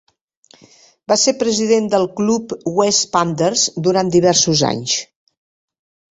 Va ser president del club Wests Panthers durant diversos anys.